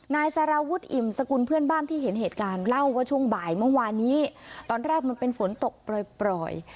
นายสารวุฒิอิ่มสกุลเพื่อนบ้านที่เห็นเหตุการณ์เล่าว่าช่วงบ่ายเมื่อวานนี้ตอนแรกมันเป็นฝนตกปล่อย